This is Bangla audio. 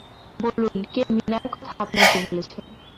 বলুন, কে মীনার কথা আপনাকে বলেছে?